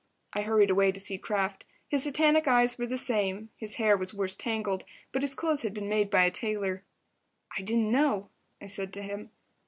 I hurried away to see Kraft. His satanic eyes were the same, his hair was worse tangled, but his clothes had been made by a tailor. "I didn't know," I said to him.